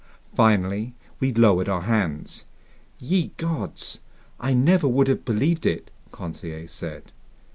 Finally we lowered our hands. "Ye gods, I never would have believed it," Conseil said.